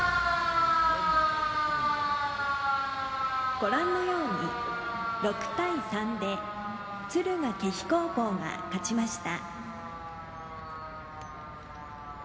ご覧のように６対３で敦賀気比高校が勝ちました。